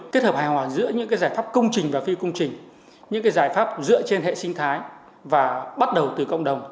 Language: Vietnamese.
kết hợp hài hòa giữa những giải pháp công trình và phi công trình những giải pháp dựa trên hệ sinh thái và bắt đầu từ cộng đồng